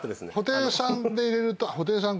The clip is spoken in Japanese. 「布袋さん」で入れると「布袋さん